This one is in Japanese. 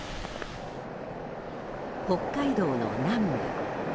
北海道の南部。